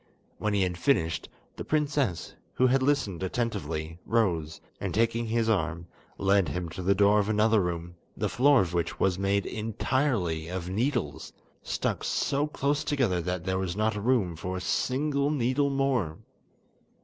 When he had finished, the princess, who had listened attentively, rose, and taking his arm, led him to the door of another room, the floor of which was made entirely of needles, stuck so close together that there was not room for a single needle more.